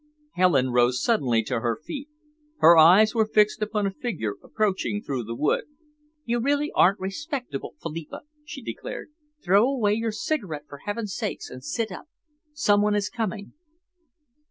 Helen rose suddenly to her feet. Her eyes were fixed upon a figure approaching through the wood. "You really aren't respectable, Philippa," she declared. "Throw away your cigarette, for heaven's sake, and sit up. Some one is coming."